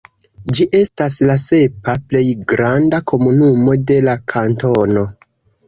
Ĝi estas la sepa plej granda komunumo de la kantono.